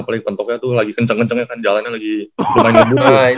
apalagi kepentoknya tuh lagi kenceng kenceng ya kan jalannya lagi lumayan lumayan